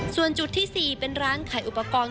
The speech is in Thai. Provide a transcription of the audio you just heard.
ส่วนจุดที่๔เป็นร้านขายอุปกรณ์